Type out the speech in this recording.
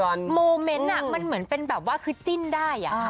โมเมนต์มันเหมือนเป็นแบบว่าคือจิ้นได้